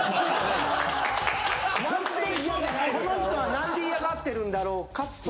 この人は何で嫌がってるんだろうかっていう。